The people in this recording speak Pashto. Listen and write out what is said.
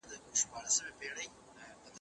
څوک کولای سي د تېرو پېښو منطق پيدا کړي؟